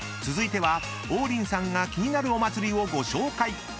［続いては王林さんが気になるお祭りをご紹介］